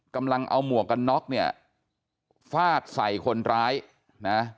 กำลังเอาหมวกกันน็อกเนี่ยฟาดใส่คนร้ายนะ